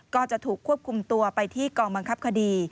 ก็จะถูกควบคุมตัวไปที่กองบังคับคดี